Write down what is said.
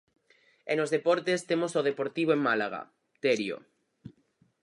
E nos deportes, temos o Deportivo en Málaga, Terio.